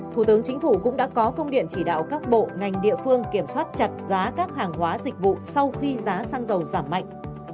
thủ tướng chính phủ cũng đã có công điện chỉ đạo các bộ ngành địa phương kiểm soát chặt giá các hàng hóa dịch vụ sau khi giá xăng dầu giảm mạnh